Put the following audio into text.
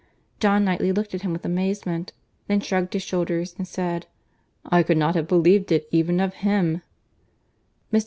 John Knightley looked at him with amazement, then shrugged his shoulders, and said, "I could not have believed it even of him." Mr.